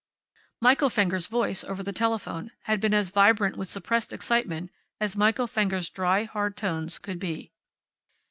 Michael Fenger's voice over the telephone had been as vibrant with suppressed excitement as Michael Fenger's dry, hard tones could be.